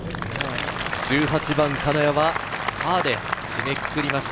１８番、金谷はパーで締めくくりました。